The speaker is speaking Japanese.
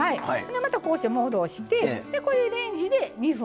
またこうして戻してこれでレンジで２分。